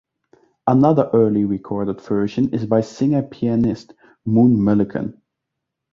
Another early recorded version is by singer pianist Moon Mullican.